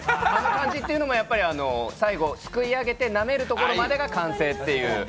あの感じっていうのも最後すくい上げてなめるところまでが完成っていう。